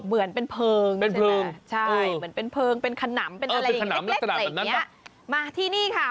เหมือนเป็นเพลิงใช่ไหมใช่เหมือนเป็นเพลิงเป็นขนำเป็นอะไรเล็กเล็กอะไรอย่างเงี้ยมาที่นี่ค่ะ